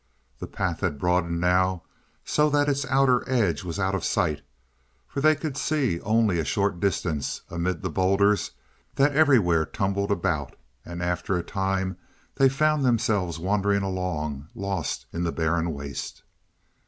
The path had broadened now so that its other edge was out of sight, for they could see only a short distance amid the bowlders that everywhere tumbled about, and after a time they found themselves wandering along, lost in the barren waste.